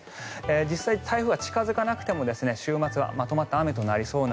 実際、台風が近付かなくても週末はまとまった雨となりそう。